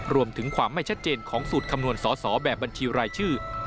รวมถึงความไม่ชัดเจนของสูตรคำนวณสอสอแบบบัญชีรายชื่อ